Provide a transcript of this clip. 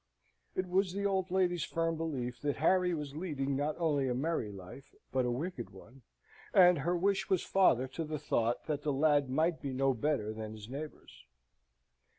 It was the old lady's firm belief that Harry was leading not only a merry life, but a wicked one, and her wish was father to the thought that the lad might be no better than his neighbours.